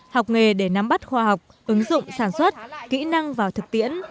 học nghề để nắm bắt khoa học ứng dụng sản xuất kỹ năng vào thực tiễn